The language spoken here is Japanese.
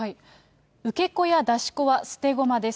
受け子や出し子は捨て駒です。